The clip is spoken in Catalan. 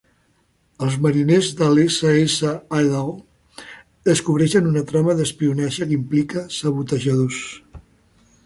Els mariners de l'S. S. Idaho descobreixen una trama d'espionatge que implica sabotejadors.